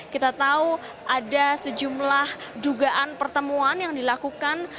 kita tahu ada sejumlah dugaan pertemuan yang dilakukan